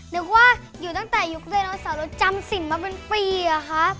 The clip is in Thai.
นึกว่าอยู่ตั้งแต่ยุคเรนนองสารชมสินมาเป็นปี่อ่ะครับ